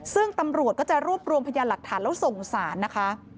ซึ่งตำรวจก็จะรวบรวมพยานหลักฐานแล้วส่งสารนะคะ